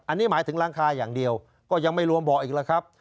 อันนี้หมายถึงหลังคาอย่างเดียวก็ยังไม่รวมเบาะอีกแล้วครับ